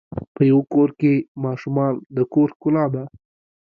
په یوه کور کې ماشومان د کور ښکلا ده.